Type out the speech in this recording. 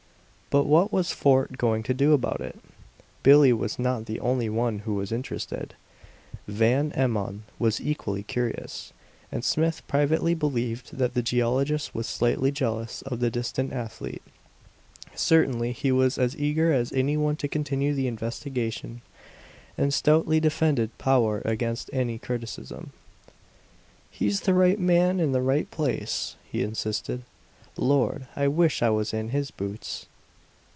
But what was Fort going to do about it? Billie was not the only one who was interested; Van Emmon was equally curious, and Smith privately believed that the geologist was slightly jealous of the distant athlete. Certainly he was as eager as any one to continue the investigation, and stoutly defended Powart against any criticism. "He's the right man in the right place!" he insisted. "Lord, I wish I was in his boots!"